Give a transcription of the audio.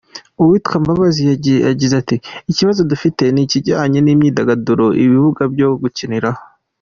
Uwitwa Mbabazi yagize ati “Ikibazo dufite ni ikijyanye n’imyidagaduro, ibibuga byo gukiniraho.